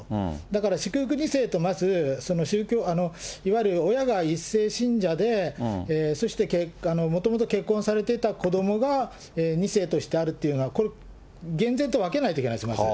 だから祝福２世と、まずいわゆる親が１世信者で、そしてもともと結婚されていた子供が、２世としてあるというのは、これ、厳然と分けないといけないですね、まず。